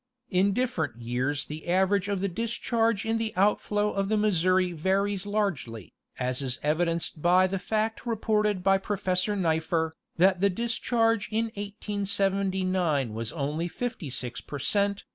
In different years the average of the discharge in the outflow of the Missouri varies largely, as is evidenced by the fact reported by Professor Nipher, that the discharge in 1879 was only 56 per cent.